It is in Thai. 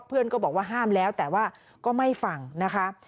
เพื่อนก็บอกว่าห้ามแล้วแต่ว่าก็ไม่ฟังนะคะ